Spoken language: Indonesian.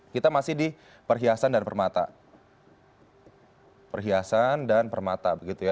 kita masih di perhiasan dan permata